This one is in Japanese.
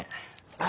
あ